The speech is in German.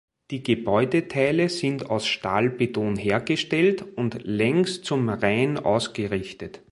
Die Gebäudeteile sind aus Stahlbeton hergestellt und längs zum Rhein ausgerichtet.